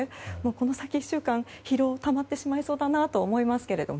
この先１週間疲労、たまってしまいそうだなと思いますけど。